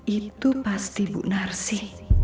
itu pasti bu narsi